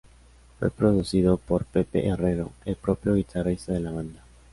Fue producido por Pepe Herrero, el propio guitarrista de la banda.